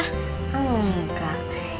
kalo sampe putus sekolah